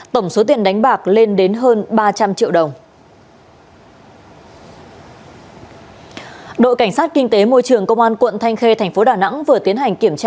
tổng số tiền đánh bạc lên đến hơn ba trăm linh triệu đồng